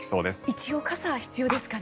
一応傘が必要ですかね。